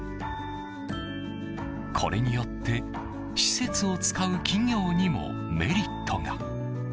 これによって施設を使う企業にもメリットが。